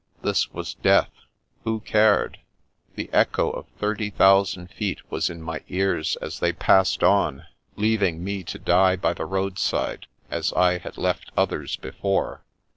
This was death. Who cared ? The echo of thirty thou sand feet was in my ears as they passed on, leaving me to die by the roadside, as I had left others before.